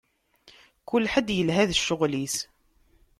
Kul ḥedd yelha d cceɣl-is.